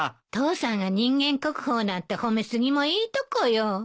父さんが人間国宝なんて褒め過ぎもいいとこよ。